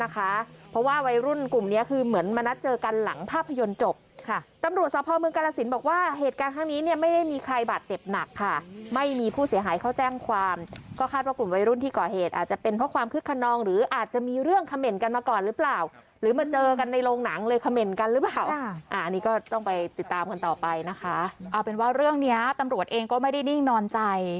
กลุ่มเนี้ยคือเหมือนมานัดเจอกันหลังภาพยนตร์จบค่ะตำรวจสภาวเมืองกาลสินบอกว่าเหตุการณ์ข้างนี้เนี้ยไม่ได้มีใครบาดเจ็บหนักค่ะไม่มีผู้เสียหายเขาแจ้งความก็คาดว่ากลุ่มวัยรุ่นที่ก่อเหตุอาจจะเป็นเพราะความคึกคนนองหรืออาจจะมีเรื่องคำเหม็นกันมาก่อนหรือเปล่าหรือมาเจอกั